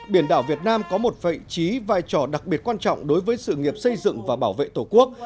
biển đảo việt nam có một vị trí vai trò đặc biệt quan trọng đối với sự nghiệp xây dựng và bảo vệ tổ quốc